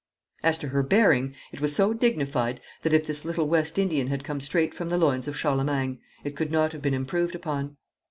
As to her bearing, it was so dignified, that if this little West Indian had come straight from the loins of Charlemagne, it could not have been improved upon.